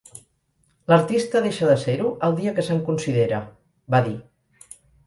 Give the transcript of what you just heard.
L'artista deixa de ser-ho el dia que se'n considera, va dir.